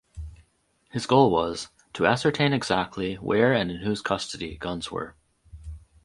His goal was "to ascertain exactly where and in whose custody" guns were.